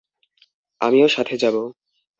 আমিও সাথে যাবো।